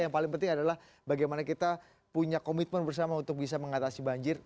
yang paling penting adalah bagaimana kita punya komitmen bersama untuk bisa mengatasi banjir